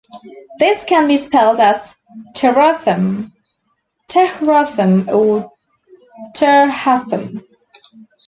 This can be spelled as Terathum, Tehrathum or Terhathum.